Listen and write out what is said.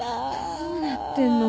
どうなってんの？